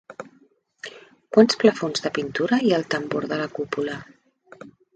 Quants plafons de pintura hi ha al tambor de la cúpula?